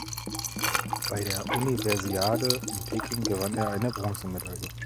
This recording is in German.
Bei der Universiade in Peking gewann er eine Bronzemedaille.